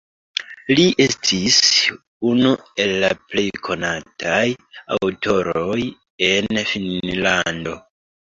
Li estis unu el la plej konataj aŭtoroj en Finnlando.